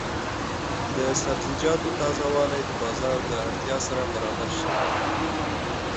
د سبزیجاتو تازه والي د بازار د اړتیا سره برابر شي.